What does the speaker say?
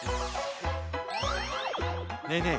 ねえねえ